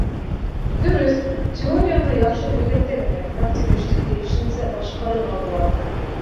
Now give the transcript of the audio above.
Дөрөҫ, теорияны яҡшы белгәндә генә практик эште тейешенсә башҡарырға була.